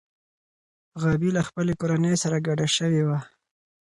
غابي له خپلې کورنۍ سره کډه شوې وه.